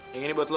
yang ini buat lo